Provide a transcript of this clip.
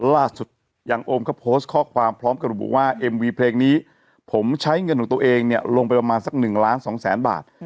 ล่าสุดอย่างโอมก็โพสต์ข้อความพร้อมกับระบุว่าเอ็มวีเพลงนี้ผมใช้เงินของตัวเองเนี่ยลงไปประมาณสัก๑ล้านสองแสนบาท